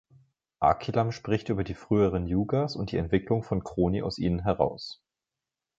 Akilam spricht über die früheren Yugas und die Entwicklung von Kroni aus ihnen heraus.